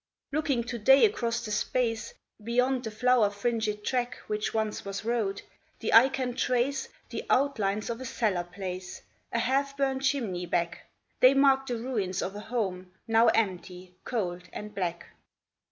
Looking to day across the space, Beyond the flower fringed track Which once was road, the eye can trace The outlines of a cellar place, A half burned chimney back : They mark the ruins of a home Now empty, cold, and black.